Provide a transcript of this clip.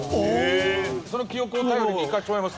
その記憶を頼りにいかせてもらいます。